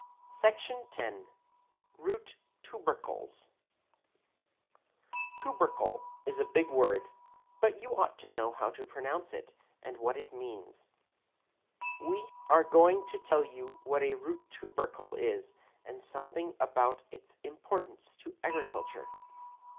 SECTION X. ROOT TUBERCLES Tubercle is a big word, but you ought to know how to pronounce it and what is meant by root tubercles. We are going to tell you what a root tubercle is and something about its importance to agriculture.